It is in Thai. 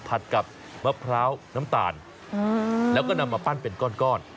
กับมะพร้าวน้ำตาลแล้วก็นำมาปั้นเป็นก้อน